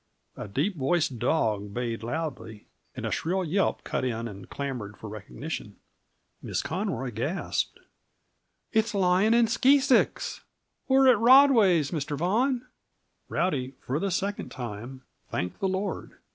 A deep voiced dog bayed loudly, and a shrill yelp cut in and clamored for recognition. Miss Conroy gasped. "It's Lion and Skeesicks. We're at Rodway's, Mr. Vaughan." Rowdy, for the second time, thanked the Lord.